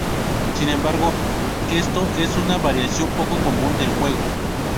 Sin embargo, esto es una variación poco común del juego.